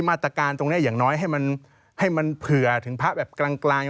มัตกันตรงนี้อย่างน้อยให้มันเผื่อถึงพระแบบกลางกลาง